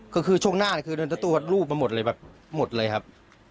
ก็คือช่วงหน้าคือรถตู้รถลูกมาหมดเลยแบบหมดเลยครับ